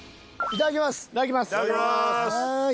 いただきます！